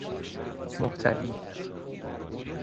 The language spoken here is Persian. محتوی